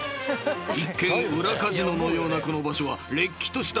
［一見裏カジノのようなこの場所はれっきとしたデイサービス］